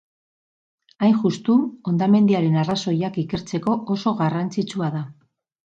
Hain justu, hondamendiaren arrazoiak ikertzeko oso garrantzitsua da.